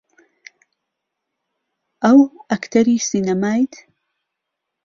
ئەۆ ئەکتەری سینەمایت؟